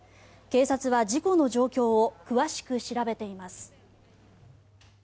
警察は事故の状況を詳しく調べています。